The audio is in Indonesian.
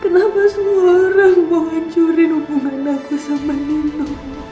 kenapa semua orang mau hancurin hubungan aku sama nindu